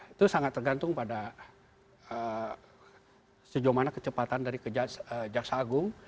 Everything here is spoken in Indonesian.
itu sangat tergantung pada sejumlahnya kecepatan dari jaksa agung